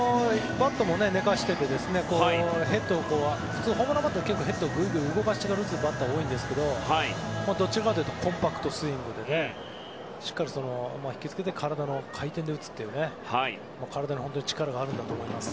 バットも寝かせて普通、ホームランバッターは結構、ヘッドを動かして打つバッターが多いんですけどどちらかというとコンパクトスイングで体の回転で打つと体の力があるんだと思います。